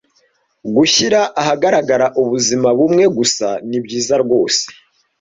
gushyira ahagaragara ubuzima bumwe gusa ni byiza rwose